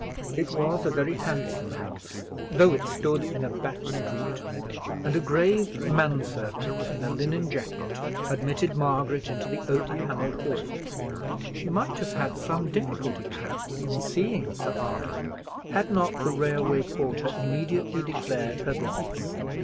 It was a very handsome house, though it stood in a back sweet; and a grave man servant, in a linen jacket, admitted Margaret into the oak panelled hall. She might have had some difficulty perhaps in seeing Sir Arden, had not the railway porter immediately declared her business.